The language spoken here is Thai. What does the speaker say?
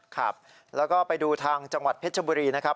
ครับแล้วก็ไปดูทางจังหวัดเพชรบุรีนะครับ